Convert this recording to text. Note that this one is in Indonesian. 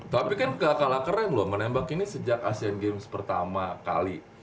tapi kan gak kalah keren loh menembak ini sejak asean games pertama kali